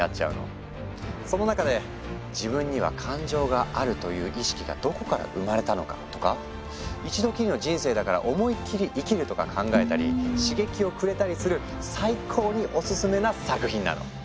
その中で「自分には感情があるという意識がどこから生まれたのか？」とか「一度きりの人生だから思いっきり生きる」とか最高にお薦めな作品なの！